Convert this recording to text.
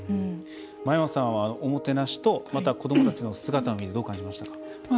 真山さんは、おもてなしとまた、子どもたちの姿を見てどう感じましたか？